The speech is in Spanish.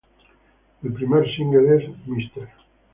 El primer single es "Mr.